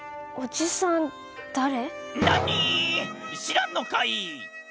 しらんのかい！